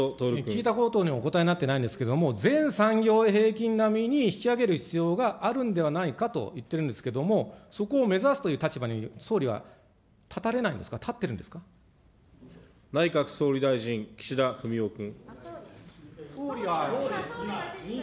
聞いたことにお答えになってないんですけれども、全産業平均並みに引き上げる必要があるんではないかと言っているんですけれども、そこを目指すという立場に総理は立たれないんで内閣総理大臣、岸田文雄君。